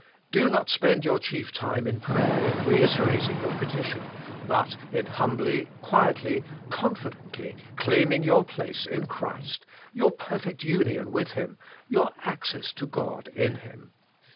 Do not spend your chief time in prayer in reiterating your petition, but in humbly, quietly, confidently claiming your place in Christ, your perfect union with Him, your access to God in Him.